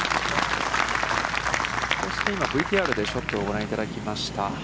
そして今ＶＴＲでショットをご覧いただきました。